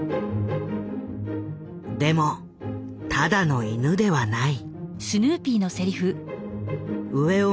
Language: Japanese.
でもただの犬ではない。